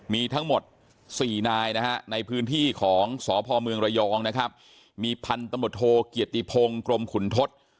มีทั้งหมด๔นายในพื้นที่ของสพระยองมีพันตำรวจโทษเกียรติพงศ์กรมขุนทศ